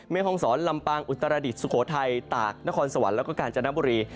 ห้องศรลำปางอุตรดิษฐสุโขทัยตากนครสวรรค์แล้วก็กาญจนบุรี